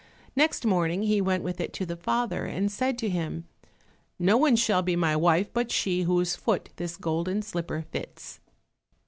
Next morning, he went with it to the father, and said to him, "No one shall be my wife but she whose foot this golden slipper fits."